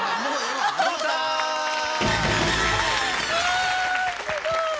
わすごい！